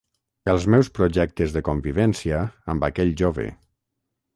Els meus projectes de convivència amb aquell jove.